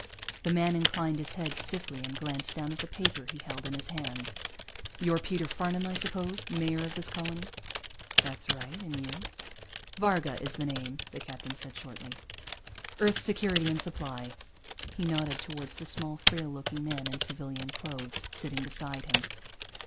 The man inclined his head stiffly and glanced down at the paper he held in his hand. "You're Peter Farnam, I suppose? Mayor of this colony?" "That's right. And you?" "Varga is the name," the captain said shortly. "Earth Security and Supply." He nodded toward the small, frail looking man in civilian clothes, sitting beside him.